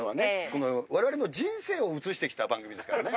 この我々の人生を映して来た番組ですからね。